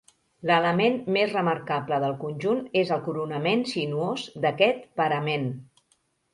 L'element més remarcable del conjunt és el coronament sinuós d'aquest parament.